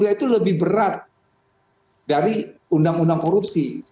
enam ratus dua itu lebih berat dari undang undang korupsi